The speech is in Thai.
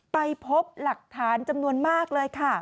ไปพบหลักฐานจำนวนมากเลยค่ะ